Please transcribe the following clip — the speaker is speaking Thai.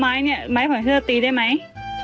แม้ตีได้ไหม